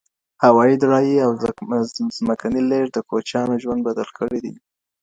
هوايي، دریايي او زمکني لیږد د کوچیانو ژوند بدل کړی دی.